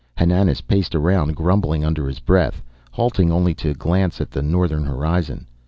Hananas paced around, grumbling under his breath, halting only to glance at the northern horizon.